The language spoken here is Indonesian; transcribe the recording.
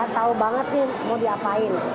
tau banget nih mau diapain